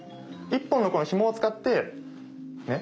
１本のこのひもを使ってね